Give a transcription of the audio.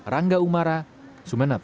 rangga umara sumenet